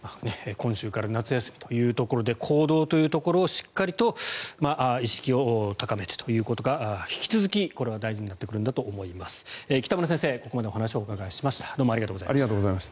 今週から夏休みというところで行動というところをしっかりと意識を高めてということが引き続き大事になってくるんだと思います。